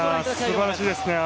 すばらしいですね。